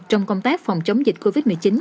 trong công tác phòng chống dịch covid một mươi chín